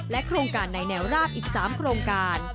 โครงการในแนวราบอีก๓โครงการ